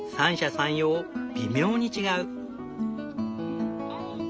三様微妙に違う。